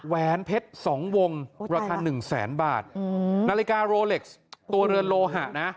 แหวนเพชรสองวงราคาหนึ่งแสนบาทอืมนาฬิกาโรเล็กซ์ตัวเรือนโลหะนะ